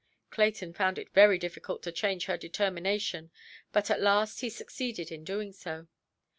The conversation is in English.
Clayton found it very difficult to change her determination. But at last he succeeded in doing so.